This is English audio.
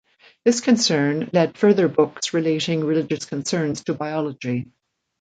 This concern led further books relating religious concerns to biology.